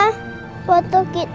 lo yang platengsings dia